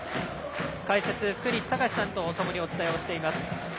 解説、福西崇史さんとともにお伝えしています。